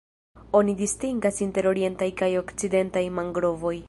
Oni distingas inter Orientaj kaj Okcidentaj mangrovoj.